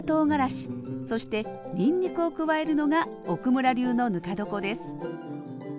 そしてにんにくを加えるのが奥村流のぬか床です